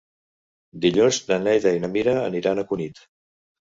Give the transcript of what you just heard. Dilluns na Neida i na Mira aniran a Cunit.